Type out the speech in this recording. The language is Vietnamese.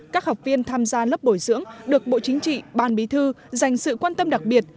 các học viên tham gia lớp bồi dưỡng được bộ chính trị ban bí thư dành sự quan tâm đặc biệt